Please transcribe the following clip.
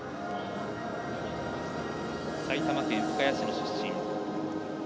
埼玉県深谷市の出身。